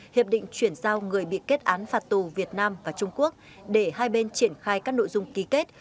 hiệp định chuyển giao người bị kết án phạt tù việt nam và trung quốc để hai bên triển khai các nội dung ký kết